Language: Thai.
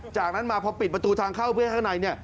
จากนั้นมาพอปิดประตูทางเข้าเพื่อให้ข้างใน